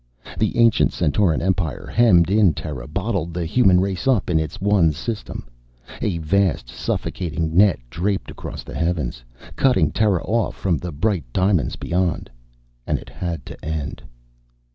The ancient Centauran Empire hemmed in Terra, bottled the human race up in its one system. A vast, suffocating net draped across the heavens, cutting Terra off from the bright diamonds beyond.... And it had to end.